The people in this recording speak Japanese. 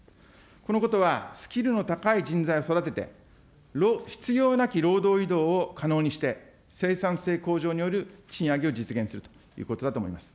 このことはスキルの高い人材を育てて、必要なき労働移動を可能にして、生産性向上による賃上げを実現するということだと思います。